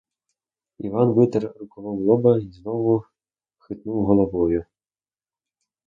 Іван витер рукавом лоба й знов хитнув головою.